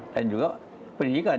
dan juga pendidikan